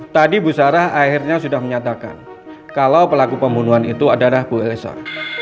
tadi bu sarah akhirnya sudah menyatakan kalau pelaku pembunuhan itu adalah bu elsa